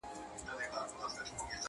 سپین مخ راته ګوري خو تنویر خبري نه کوي.